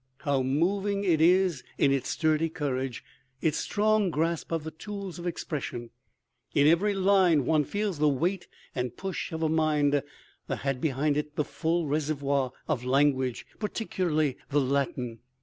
How moving it is in its sturdy courage, its strong grasp of the tools of expression. In every line one feels the weight and push of a mind that had behind it the full reservoir of language, particularly the Latin.